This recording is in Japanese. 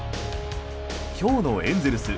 今日のエンゼルス